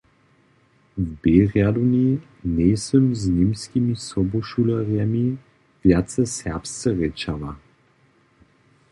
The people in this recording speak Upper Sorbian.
W B-rjadowni njejsym z němskimi sobušulerjemi wjace serbsce rěčała.